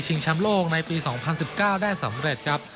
แชมป์โลกในปี๒๐๑๙ได้สำเร็จครับ